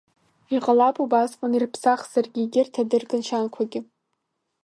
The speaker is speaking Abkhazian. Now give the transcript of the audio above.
Иҟалап убасҟан ирԥсахзаргьы егьырҭ адырга ншьанқәагьы.